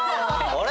あれ？